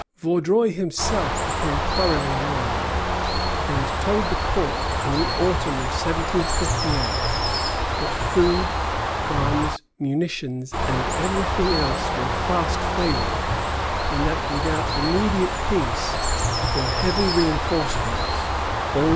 Vaudreuil himself became thoroughly alarmed, and told the Court in the autumn of 1758 that food, arms, munitions, and everything else were fast failing, and that without immediate peace or heavy reinforcements all was lost.